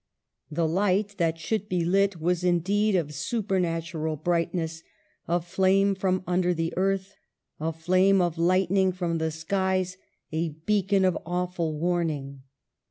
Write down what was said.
The light that should be lit was indeed of supernatural brightness ; a flame from under the earth ; a flame of lightning from the skies ; a beacon of awful warning.